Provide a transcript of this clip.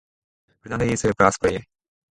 Fernando is a bass player.